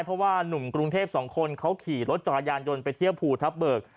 เพราะว่านุ่มกรุงเทพสองคนเขาขี่รถจักรยานยนต์ไปเที่ยวภูทับเบิก